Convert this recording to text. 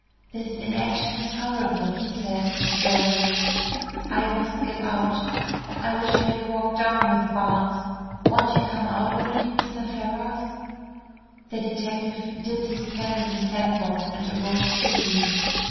"This inaction is horrible," he said, drearily. "I must get out. I wish I had walked down with Barnes. Won't you come out with me, Mr. Ferrars?" The detective dipped his pen in the sand box, and arose quickly.